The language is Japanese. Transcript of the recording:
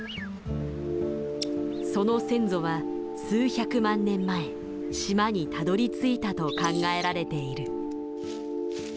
その先祖は数百万年前島にたどりついたと考えられている。